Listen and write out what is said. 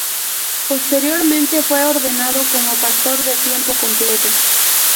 Posteriormente fue ordenado como pastor de tiempo completo.